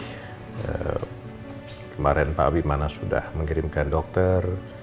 kemarin pak wimana sudah mengirimkan dokter